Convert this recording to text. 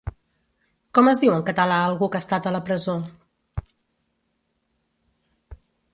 Com es diu en català algú que ha estat a la presó?